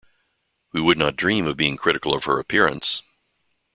We would not dream of being critical of her appearance.